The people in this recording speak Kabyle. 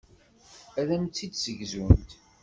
Ad am-tt-id-ssegzunt.